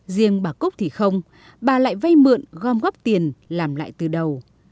riêng bà cúc thì không bà lại vay mượn gom góp tiền làm lại từ đầu